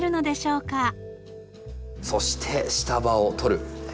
そして下葉を取る。